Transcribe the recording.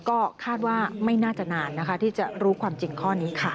ก็คาดว่าไม่น่าจะนานนะคะที่จะรู้ความจริงข้อนี้ค่ะ